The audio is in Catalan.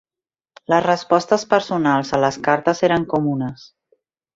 Les respostes personals a les cartes eren comunes.